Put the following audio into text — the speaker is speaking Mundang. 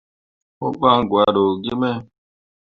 Mo ɓan gwado gi me.